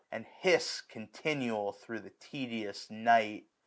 And hiss continual thro' the tedious night..